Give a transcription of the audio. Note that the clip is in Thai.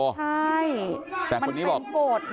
ใช่แต่คนนี้บอกจะให้ไปส่ง